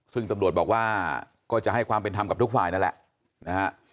ซึ่งตำรวจบอกว่าก็จะให้ความเป็นธรรมกับทุกฝ่ายนั่นแหละนะฮะ